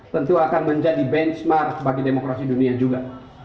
tentu akan menjadi benchmark bagi demokrasi dunia juga